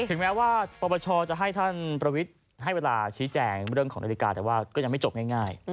ถึงแม้ว่าปปชจะให้ท่านประวิทย์ให้เวลาชี้แจงเรื่องของนาฬิกาแต่ว่าก็ยังไม่จบง่าย